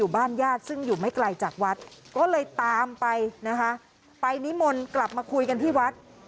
วันนี้หมนกลับมาคุยกันที่วัด